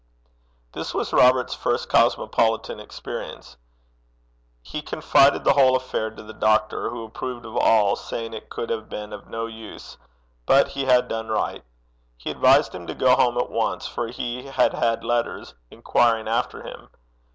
This was Robert's first cosmopolitan experience. He confided the whole affair to the doctor, who approved of all, saying it could have been of no use, but he had done right. He advised him to go home at once, for he had had letters inquiring after him.